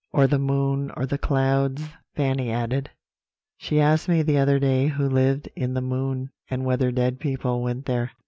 ] "'Or the moon or the clouds,' Fanny added. 'She asked me the other day who lived in the moon, and whether dead people went there.'